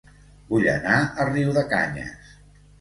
Vull anar a Riudecanyes